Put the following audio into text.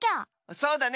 そうだね。